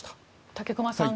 武隈さん